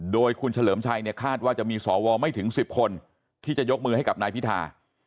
โดยคุณเฉลิมชัยเนี่ยคาดว่าจะมีสวไม่ถึง๑๐คนที่จะยกมือให้กับนายพิธา